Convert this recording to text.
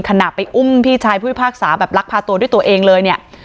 ขณะไปอุ้มพี่ชายผู้พิพากษาแบบลักพาตัวด้วยตัวเองเลยเนี่ย